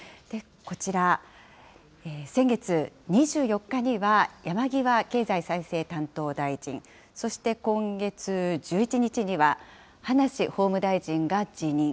こちら、先月２４日には山際経済再生担当大臣、そして今月１１日には、葉梨法務大臣が辞任。